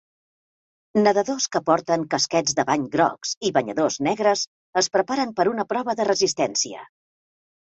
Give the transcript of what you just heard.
Nedadors que porten casquets de bany grocs i banyadors negres es preparen per una prova de resistència